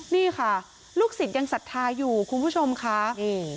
นี่ค่ะลูกศิษย์ยังศรัทธาอยู่คุณผู้ชมค่ะอืม